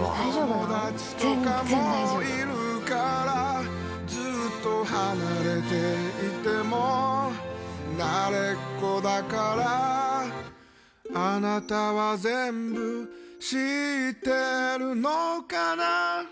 友達とかもいるからずっと離れていても慣れっこだからあなたは全部知ってるのかな